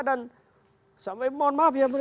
dan sampai mohon maaf ya